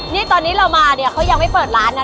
นี่ตอนนี้เรามาเนี่ยเขายังไม่เปิดร้านนะ